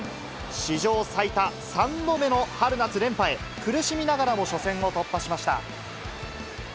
史上最多３度目の春夏連覇へ、苦しみながらも初戦を突破しました。